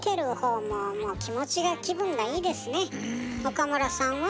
岡村さんは？